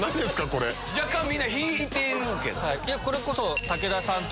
これ。若干みんな引いてるけど。